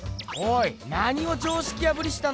何を常識破りしたんだよ。